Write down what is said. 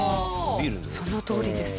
そのとおりです。